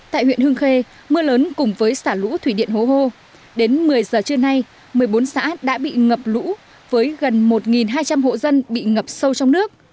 tại huyện hương khê mưa lớn cùng với xả lũ thủy điện hố hô đến một mươi giờ trưa nay một mươi bốn xã đã bị ngập lũ với gần một hai trăm linh hộ dân bị ngập sâu trong nước